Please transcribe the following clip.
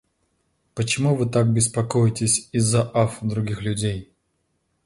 Почему вы так беспокоитесь из-за ав других людей?